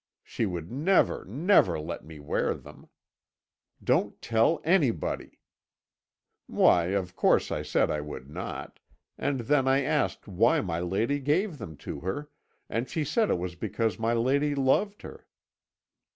She would never, never let me wear them. Don't tell anybody.' Why, of course I said I would not, and then I asked why my lady gave them to her, and she said it was because my lady loved her.